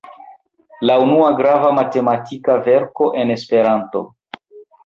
La unua grava matematika verko en Esperanto.